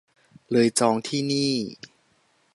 เลยจองที่นี่